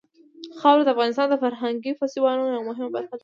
خاوره د افغانستان د فرهنګي فستیوالونو یوه مهمه برخه ده.